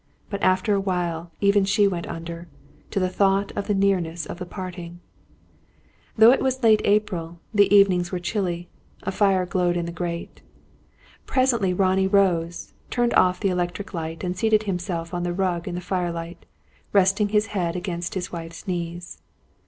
But after a while even she went under, to the thought of the nearness of the parting. Though it was late in April, the evenings were chilly; a fire glowed in the grate. Presently Ronnie rose, turned off the electric light, and seated himself on the rug in the firelight, resting his head against his wife's knees.